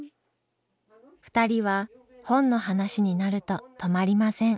２人は本の話になると止まりません。